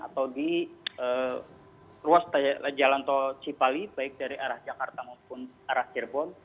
atau di ruas jalan tol cipali baik dari arah jakarta maupun arah cirebon